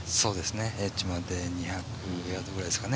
エッジまで２００ヤードぐらいですかね